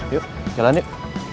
yuk jalan yuk